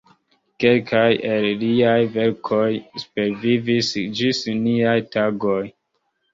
Kelkaj el liaj verkoj supervivis ĝis niaj tagoj.